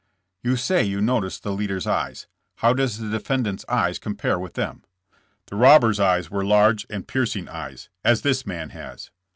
"You say you noticed the leader's ej^es. How does the defendant's eyes compare with them?" "The robber's eyes wepe large and piercing eyes, as this man has."